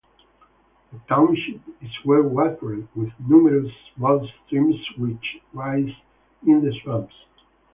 The Township is well watered with numerous Small Streams which rise in the Swamps.